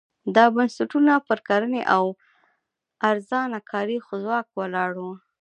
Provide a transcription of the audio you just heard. دا بنسټونه پر کرنې او ارزانه کاري ځواک ولاړ وو.